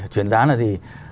chuyển giá là gì